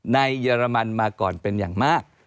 เยอรมันมาก่อนเป็นอย่างมาก